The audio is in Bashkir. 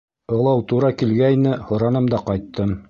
— Ылау тура килгәйне, һораным да ҡайттым.